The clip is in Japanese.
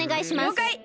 りょうかい！